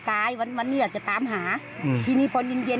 ก็เลยยิงสวนไปแล้วถูกเจ้าหน้าที่เสียชีวิต